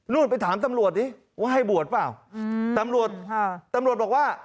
นู่นไปถามตำรวจนิว่าให้บวชเปล่าตำรวจบอกว่า